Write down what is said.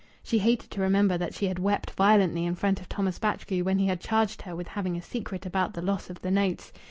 She hated to remember that she had wept violently in front of Thomas Batchgrew when he had charged her with having a secret about the loss of the notes.